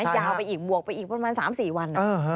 ยาวไปอีกบวกไปอีกประมาณ๓๔วัน